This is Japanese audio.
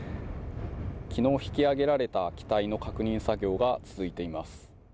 昨日、引き揚げられた機体の確認作業が続いています。